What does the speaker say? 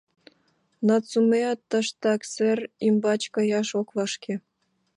Нацумеат тыштак, сер ӱмбач каяш ок вашке.